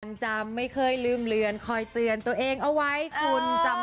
ไม่เคยแล้วไม่เคยลืมเหลือคอยเตือนตัวเองเอาไว้คุณจำ